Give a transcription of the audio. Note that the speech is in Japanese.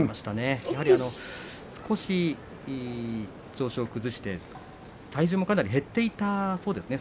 少し調子を崩して体重もかなり減っていたそうですね